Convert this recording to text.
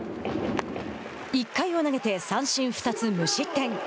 １回を投げて三振２つ、無失点。